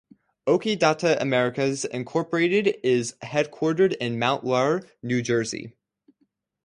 Oki Data Americas, Incorporated is headquartered in Mount Laurel, New Jersey.